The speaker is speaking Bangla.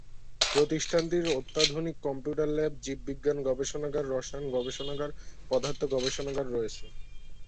প্রতিষ্ঠানটির অত্যাধুনিক কম্পিউটার ল্যাব, জীববিজ্ঞান গবেষণাগার, রসায়ন গবেষণাগার, পদার্থ গবেষণাগার রয়েছে।